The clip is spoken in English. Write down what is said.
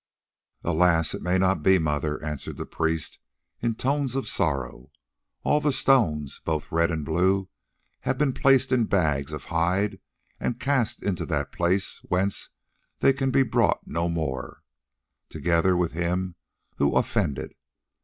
"Alas! it may not be, Mother," answered the priest in tones of sorrow. "All the stones, both red and blue, have been placed in bags of hide and cast into that place whence they can be brought no more, together with him who offended.